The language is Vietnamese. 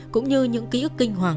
cũng như những ký ức kinh hoàng